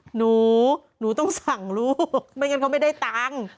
หนูหนูต้องสั่งลูกไม่งั้นเขาไม่ได้ตังค์